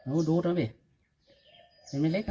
อู้ดูตรงนี้เห็นไหมเล็กนะ